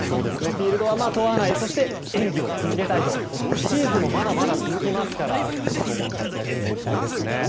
フィールドは問わないそして演技を続けたいとシーズンもまだまだ続きますから今後の活躍にも期待ですね。